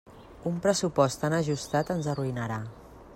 Un pressupost tan ajustat ens arruïnarà.